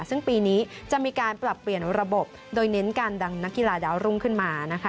ซึ่งปีนี้จะมีการปรับเปลี่ยนระบบโดยเน้นการดังนักกีฬาดาวรุ่งขึ้นมานะคะ